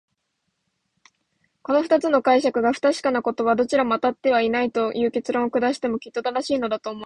この二つの解釈が不確かなことは、どちらもあたってはいないという結論を下してもきっと正しいのだ、と思わせる。